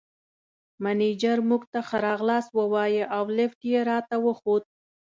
مېنېجر موږ ته ښه راغلاست ووایه او لېفټ یې راته وښود.